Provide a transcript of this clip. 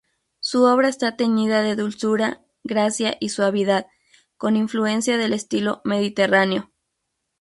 Su obra está teñida de dulzura, gracia y suavidad, con influencia del estilo mediterráneo.